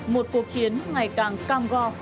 một cuộc chiến ngày càng cam go